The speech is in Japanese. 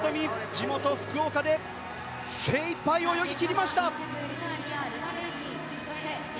地元・福岡で精いっぱい泳ぎ切りました。